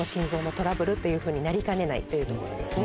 というふうになりかねないというところですね。